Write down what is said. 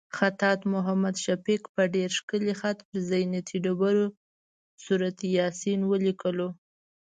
خطاط محمد شفیق په ډېر ښکلي خط پر زینتي ډبرو سورت یاسین ولیکلو.